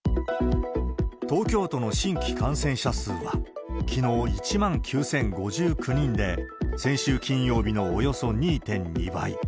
東京都の新規感染者数は、きのう、１万９０５９人で、先週金曜日のおよそ２．２倍。